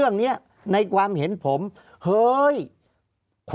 ภารกิจสรรค์ภารกิจสรรค์